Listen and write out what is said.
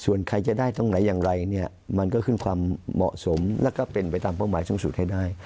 ส่วนใครจะได้ตรงไหนอย่างไรเนี่ยมันก็ขึ้นความเหมาะสมแล้วก็เป็นไปตามเป้าหมายสูงสุดให้ได้